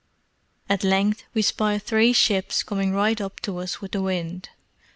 At length we spied three ships coming right up to us with the wind.